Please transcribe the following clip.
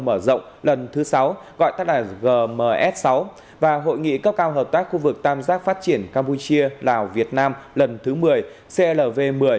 hội nghị thượng đỉnh hợp tác tiểu vùng mê công mở rộng lần thứ sáu gọi tắt là gms sáu và hội nghị cấp cao hợp tác khu vực tam giác phát triển campuchia lào việt nam lần thứ một mươi clv một mươi